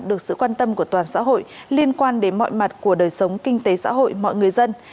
được sự quan tâm của toàn xã hội liên quan đến mọi mặt của đời sống kinh tế xã hội mọi người dân